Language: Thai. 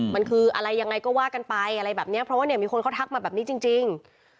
มันคืออะไรยังไงก็ว่ากันไปอะไรแบบนี้เพราะว่าเนี่ยมีคนเขาทักมาแบบนี้จริง